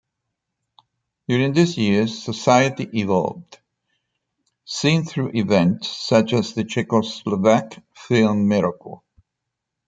During these years society evolved, seen through events such as the Czechoslovak film miracle.